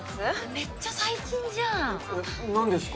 めっちゃ最近じゃんえっなんでっすか？